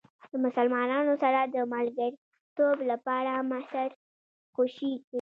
د مسلمانانو سره د ملګرتوب لپاره مصر خوشې کړئ.